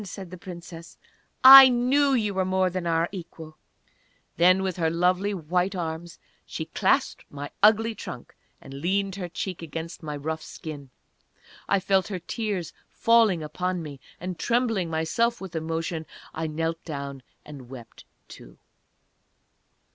said the Princess, "I knew that you were more than our equal!"... Then, with her lovely white arms she clasped my ugly trunk, and leaned her cheek against my rough skin. I felt her tears falling upon me, and trembling myself with emotion, I knelt down and wept, too.